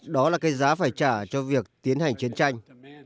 đó là cái giá phải trả cho việc tiến hành chiến tranh